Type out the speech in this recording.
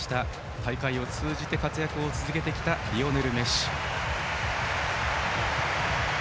大会を通じて活躍を続けてきたリオネル・メッシ。